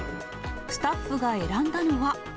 スタッフが選んだのは。